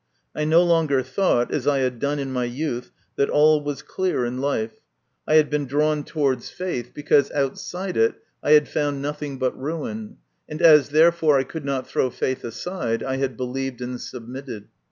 I no longer thought, as I had done in my youth, that all was clear in life ; I had been drawn towards faith i 130 MY CONFESSION. because outside it I had found nothing but ruin, and as therefore I could not throw faith aside, I had believed and submitted.